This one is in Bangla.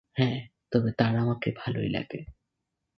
হ্যাঁ তবে তার আমাকে ভালোই লাগে।